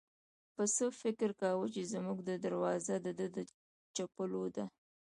پسه فکر کاوه چې زموږ دروازه د ده د چپلو ده.